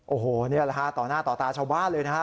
โอ้โหนี่แหละฮะต่อหน้าต่อตาชาวบ้านเลยนะฮะ